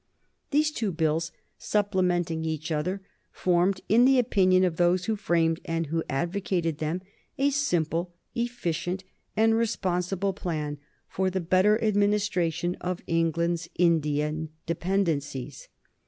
These two bills, supplementing each other, formed, in the opinion of those who framed and who advocated them, a simple, efficient, and responsible plan for the better administration of England's Indian dependencies.